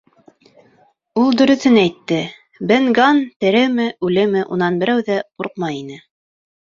Ул дөрөҫөн әйтте: Бен Ганн тереме, үлеме, унан берәү ҙә ҡурҡмай ине.